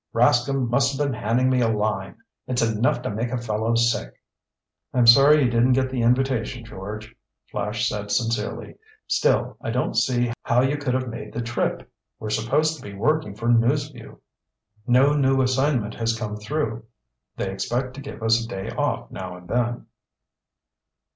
Rascomb must have been handing me a line! It's enough to make a fellow sick!" "I'm sorry you didn't get the invitation, George," Flash said sincerely. "Still, I don't see how you could have made the trip. We're supposed to be working for News Vue." "No new assignment has come through. They expect to give us a day off now and then."